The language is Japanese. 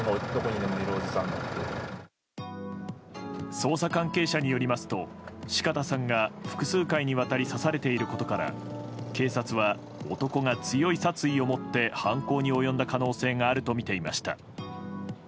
捜査関係者によりますと四方さんが複数回にわたり刺されていることから警察は、男が強い殺意を持って犯行に及んだ可能性があるとみていました。